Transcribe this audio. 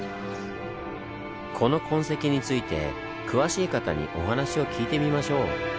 この痕跡について詳しい方にお話を聞いてみましょう。